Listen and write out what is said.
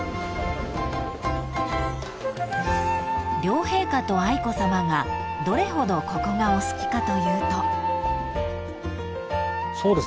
［両陛下と愛子さまがどれほどここがお好きかというと］